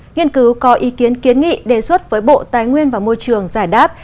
nghiên cứu có ý kiến kiến nghị đề xuất với bộ tài nguyên và môi trường giải đáp